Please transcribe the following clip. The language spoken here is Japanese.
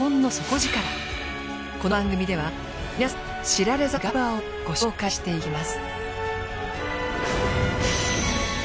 この番組では皆様に知られざるガリバーをご紹介していきます。